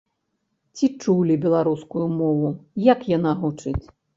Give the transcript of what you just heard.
Ці чулі беларускую мову, як яна гучыць?